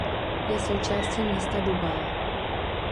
Je součástí města Dubá.